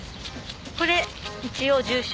これ一応住所。